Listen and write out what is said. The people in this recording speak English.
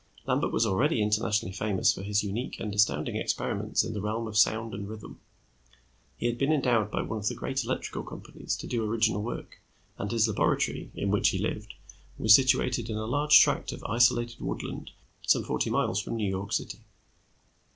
Lambert was already internationally famous for his unique and astounding experiments in the realm of sound and rhythm. He had been endowed by one of the great electrical companies to do original work, and his laboratory, in which he lived, was situated in a large tract of isolated woodland some forty miles from New York City.